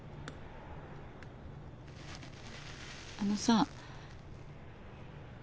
あのさ。